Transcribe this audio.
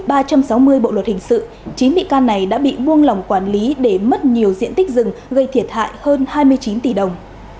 bộ luật hình sự chín bị can này đã bị buông lỏng quản lý để mất nhiều diện tích rừng gây thiệt hại hơn hai mươi chín tỷ đồng